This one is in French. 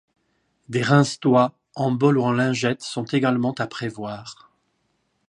Des rince-doigts, en bol ou en lingettes, sont également à prévoir.